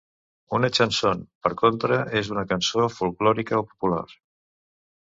Una chanson, per contra, és una cançó folklòrica o popular.